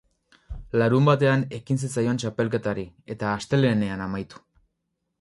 Larunbatean ekin zitzaion txapelketari eta astelehenean amaitu.